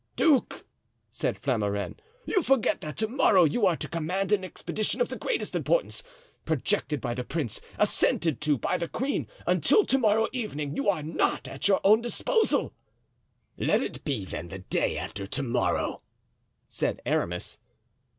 "Duke," said Flamarens, "you forget that to morrow you are to command an expedition of the greatest importance, projected by the prince, assented to by the queen. Until to morrow evening you are not at your own disposal." "Let it be then the day after to morrow," said Aramis.